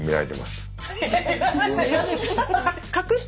はい。